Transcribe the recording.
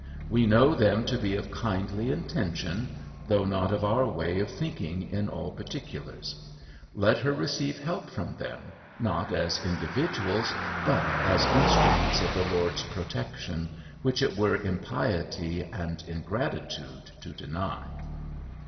We know them to be of kindly intention, though not of our way of thinking in all particulars. Let her receive help from them, not as individuals, but as instruments of the Lord's protection, which it were impiety and ingratitude to deny.'"